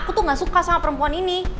aku tuh gak suka sama perempuan ini